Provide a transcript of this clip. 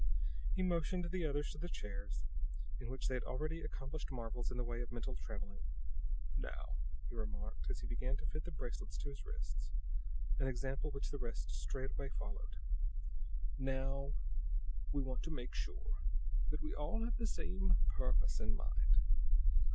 He motioned the others to the chairs in which they had already accomplished marvels in the way of mental traveling. "Now," he remarked, as he began to fit the bracelets to his wrists, an example which the rest straightway followed; "now, we want to make sure that we all have the same purpose in mind.